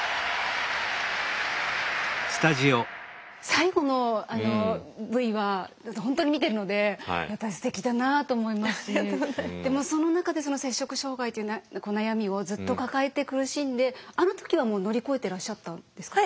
最後のあのＶは本当に見てるのでやっぱりすてきだなと思いますしでもその中でその摂食障害っていう悩みをずっと抱えて苦しんであの時はもう乗り越えてらっしゃったんですか？